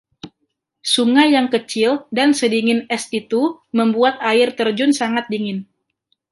Sungai yang kecil dan sedingin es itu membuat air terjun sangat dingin.